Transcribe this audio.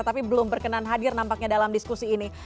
tapi belum berkenan hadir nampaknya dalam diskusi ini